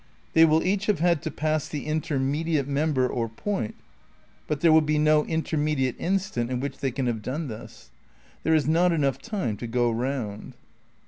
They will each have had to pass the intermediate member or point; but there will be no intermediate instant in which they can have done this. There is not enough time to go round.